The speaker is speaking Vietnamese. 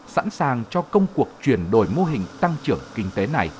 sẵn sàng cho công cuộc chuyển đổi mô hình tăng trưởng kinh tế này